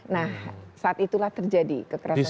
nah saat itulah terjadi kekerasan